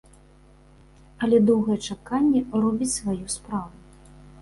Але доўгае чаканне робіць сваю справу.